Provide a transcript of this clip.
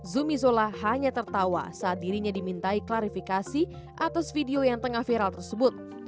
zumi zola hanya tertawa saat dirinya dimintai klarifikasi atas video yang tengah viral tersebut